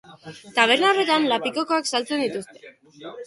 Taberna horretan lapikokoak eskaintzen dituzte.